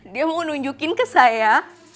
dia mau nunjukin ke saya